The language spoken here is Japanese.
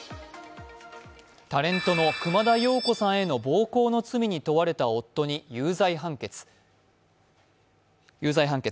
タレントの熊田曜子さんへの暴行の罪に問われた夫に有罪判決。